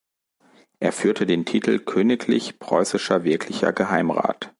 Er führte den Titel „Königlich Preußischer Wirklicher Geheimrat“.